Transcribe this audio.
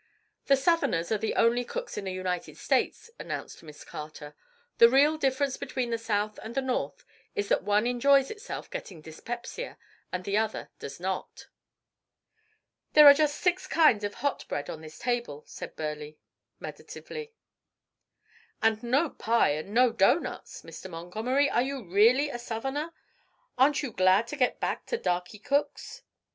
"The Southerners are the only cooks in the United States," announced Miss Carter. "The real difference between the South and the North is that one enjoys itself getting dyspepsia and the other does not." "There are just six kinds of hot bread on this table," said Burleigh, meditatively. "And no pie and no doughnuts. Mr. Montgomery, you are really a Southerner ar'n't you glad to get back to darky cooks?"